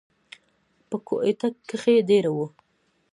پۀ کوئټه کښې دېره وو،